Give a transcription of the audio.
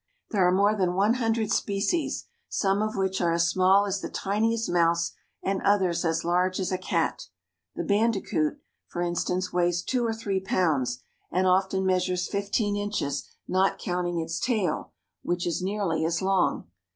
There are more than one hundred species, some of which are as small as the tiniest mouse and others as large as a cat. The bandicoot, for in stance, weighs two or three pounds, and often measures fif teen inches, not counting its tail, which is nearly as long.